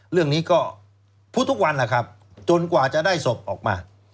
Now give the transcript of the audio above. เรื่องนี้ก็พูดทุกวันจนกว่าจะได้ศพออกมา